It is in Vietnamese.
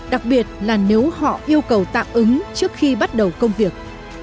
đặc biệt là nếu họ yêu cầu tạm ứng trước khi bắt đầu công việc